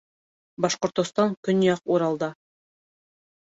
Башҡортостан көньяҡ Уралда